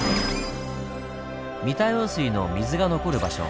三田用水の水が残る場所。